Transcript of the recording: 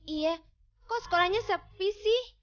iya kok sekolahnya sepi sih